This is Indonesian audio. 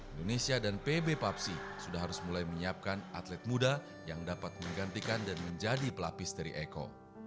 indonesia dan pb papsi sudah harus mulai menyiapkan atlet muda yang dapat menggantikan dan menjadi pelapis dari eko